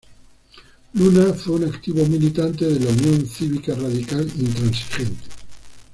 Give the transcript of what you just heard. Luna fue un activo militante de la Unión Cívica Radical Intransigente.